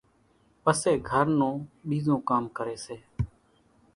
پسي گھر نون ٻِيزون ڪام ڪري سي